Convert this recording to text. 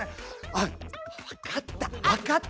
あっ分かった！